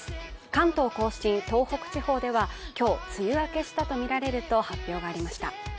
関東甲信、東北地方では今日、梅雨明けしたとみられると発表がありました。